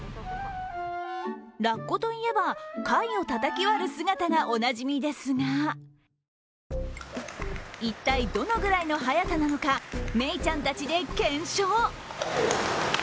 ラッコといえば、貝をたたき割る姿がおなじみですが一体どのぐらいの速さなのか、メイちゃんたちで検証。